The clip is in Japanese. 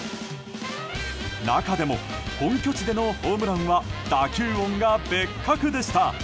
中でも本拠地でのホームランは打球音が別格でした。